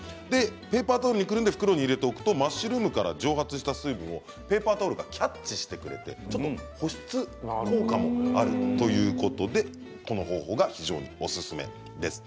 ペーパータオルにくるんで袋に入れておくとマッシュルームから蒸発した水分をペーパータオルがキャッチしてくれてちょっと保湿効果もあるということでこの方法が非常におすすめです。